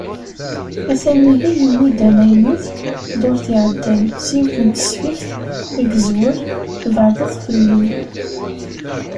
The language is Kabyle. A-t-an ihi yuwi-d amaynut, ddurt iɛeddan, s yiwet n tesfift i izewwel “Tbeɛdeḍ fell-i”.